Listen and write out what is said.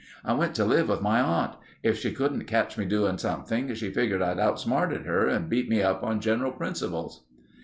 "... I went to live with my aunt. If she couldn't catch me doing something, she figured I'd outsmarted her and beat me up on general principles."